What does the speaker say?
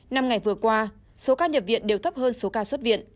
năm ngày vừa qua số ca nhập viện đều thấp hơn số ca xuất viện